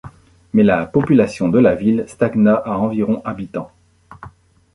Mais la population de la ville stagna à environ habitants.